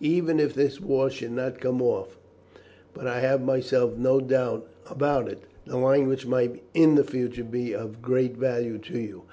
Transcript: Even if this war should not come off but I have myself no doubt about it the language might in the future be of great value to you.